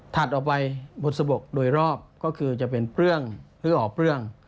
ถัดออกไปบนสะบกโดยรอบก็คือจะเป็นเปลื้องหรือออกเปลื้อง